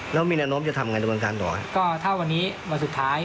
แล้วมีแนะนำจะทำงานด้วยเหรอก็ถ้าวันนี้วันสุดท้าย